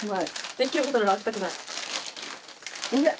できることなら開けたくない。